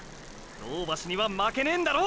銅橋には負けねェんだろ